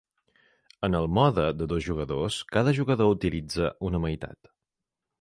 En el mode de dos jugadors, cada jugador utilitza una meitat.